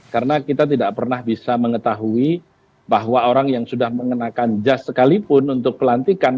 karena kita tidak pernah bisa mengetahui bahwa orang yang sudah mengenakan jas sekalipun untuk pelantikan